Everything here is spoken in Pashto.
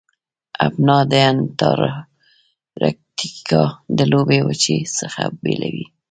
ابنا د انتارکتیکا د لویې وچې څخه بیلوي.